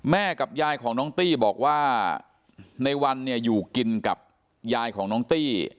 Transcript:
กับยายของน้องตี้บอกว่าในวันเนี่ยอยู่กินกับยายของน้องตี้